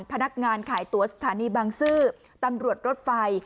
พนักงานขายตัวสถานีบังซื้อตำรวจรถไฟ